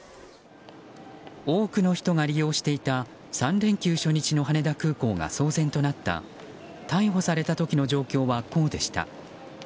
多くの人が利用していた３連休初日の羽田空港が騒然となった逮捕された時の状況はこうでした。